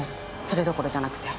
それどころじゃなくて。